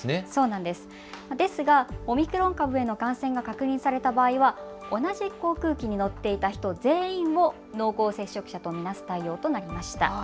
ですがオミクロン株への感染が確認された場合は同じ航空機に乗っていた人全員を濃厚接触者と見なす対応となりました。